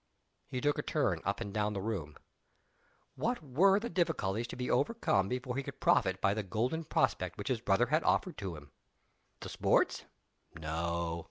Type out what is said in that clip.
He took a turn up and down the room. What were the difficulties to be overcome before he could profit by the golden prospect which his brother had offered to him? The Sports? No!